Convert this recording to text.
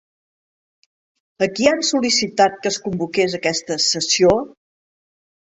A qui han sol·licitat que es convoqués aquesta sessió?